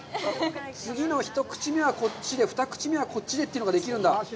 次の一口目はこっちで、二口目はこっちでというのができるんだ？